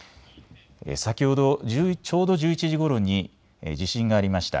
先ほどちょうど１１時ごろに地震がありました。